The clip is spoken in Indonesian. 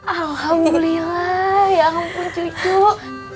alhamdulillah ya ampun cucu